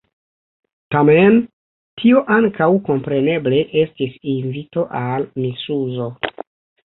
Tamen tio ankaŭ kompreneble estis invito al misuzo.